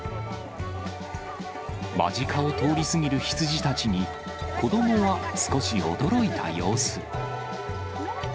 間近を通り過ぎるヒツジたちに、子どもは少し驚いた様子。